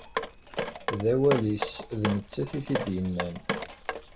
D awal-is, d nettat i t-id-yennan.